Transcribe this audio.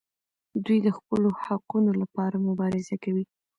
دوی د خپلو حقونو لپاره مبارزه کوي.